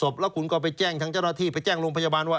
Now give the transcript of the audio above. จะแจ้งรงค์พยาบาลว่า